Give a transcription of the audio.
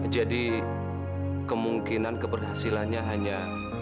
jadi kemungkinan keberhasilannya hanya